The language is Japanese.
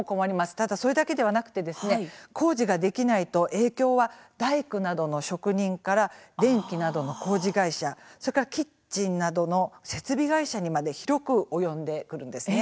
ただ、それだけではなくて工事ができないと影響は大工などの職人から電気などの工事会社それからキッチンなどの設備会社にまで広く及んでくるんです。